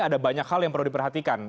ada banyak hal yang perlu diperhatikan